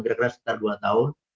kira kira sekitar dua tahun